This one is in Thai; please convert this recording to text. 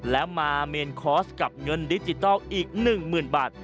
และมาเมนคอร์สกับเงินดิจิทัลอีก๑๐๐๐บาท